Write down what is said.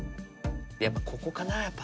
やっぱここかなやっぱ。